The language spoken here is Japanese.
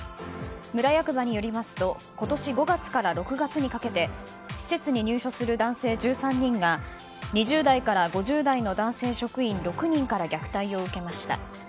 村役場によりますと今年５月から６月にかけて施設に入所する男性１３人が２０代から５０代の男性職員６人から虐待を受けました。